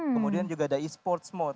kemudian juga ada esports mode